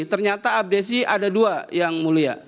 ternyata abdesi ada dua yang mulia